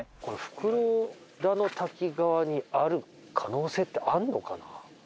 これ袋田の滝側にある可能性ってあるのかな？